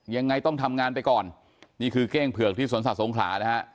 ยังไงต้องทำงานไปก่อนนี่คือเก้งเผือกที่สวนสัตว์สงขลานะฮะ